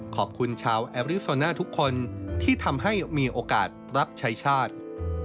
ขอบคุณชาวแอริโซน่าทุกคนที่ทำให้มีโอกาสรับใช้ชาติ